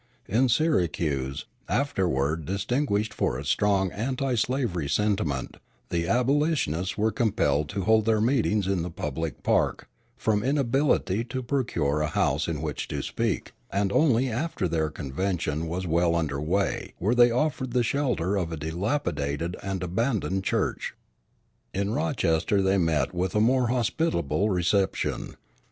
In Syracuse, afterward distinguished for its strong anti slavery sentiment, the abolitionists were compelled to hold their meetings in the public park, from inability to procure a house in which to speak; and only after their convention was well under way were they offered the shelter of a dilapidated and abandoned church. In Rochester they met with a more hospitable reception.